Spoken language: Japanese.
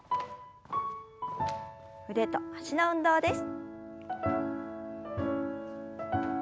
腕と脚の運動です。